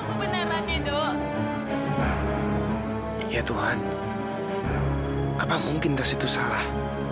apa mungkin tak situ salah